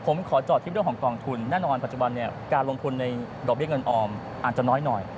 ผมขอจอดที่เรื่องของกองทุนแน่นอนปัจจุบันเนี่ยการลงทุนในดอกเบี้ยเงินออมอาจจะน้อยหน่อย